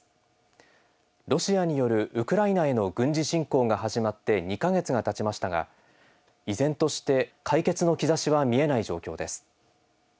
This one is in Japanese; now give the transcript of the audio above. ロシアによるウクライナへの軍事侵攻が始まって２か月がたちましたが依然として解決の兆しは見えない状況です。